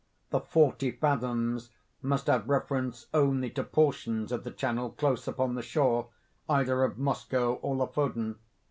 The "forty fathoms" must have reference only to portions of the channel close upon the shore either of Moskoe or Lofoden.